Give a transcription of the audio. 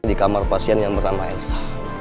di kamar pasien yang bernama elsa